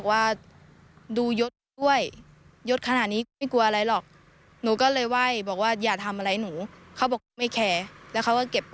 มาทั้งหลายหน่อยครับ